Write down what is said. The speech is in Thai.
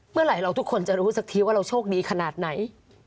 เมื่อไหร่เราทุกคนจะรู้สักทีว่าเราโชคดีขนาดไหน